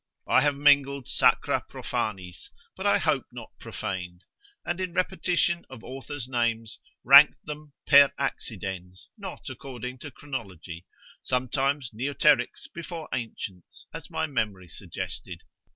I have mingled sacra prophanis, but I hope not profaned, and in repetition of authors' names, ranked them per accidens, not according to chronology; sometimes neoterics before ancients, as my memory suggested.